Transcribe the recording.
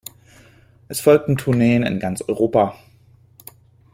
Es folgten Tourneen in ganz Europa.